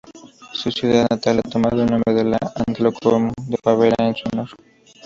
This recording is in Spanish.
Su ciudad natal ha tomado el nombre de Atlacomulco de Fabela, en su honor.